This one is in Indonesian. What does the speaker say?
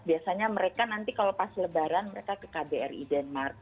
biasanya mereka nanti kalau pas lebaran mereka ke kbri denmark